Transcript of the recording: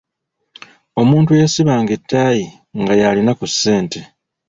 Omuntu eyasibanga ettaayi nga y'alina ku ssente